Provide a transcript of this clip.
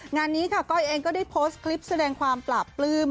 งานนี้ค่ะก้อยเองก็ได้โพสต์คลิปแสดงความปราบปลื้ม